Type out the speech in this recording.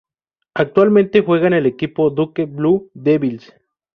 Actualmente juega en el equipo Duke Blue Devils.